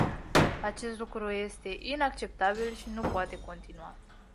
Acest lucru este inacceptabil și nu poate continua.